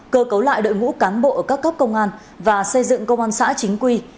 cơ cấu lại đội ngũ cán bộ ở các cấp công an và xây dựng công an xã chính quy